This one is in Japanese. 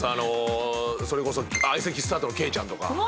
それこそ相席スタートのケイちゃんとか。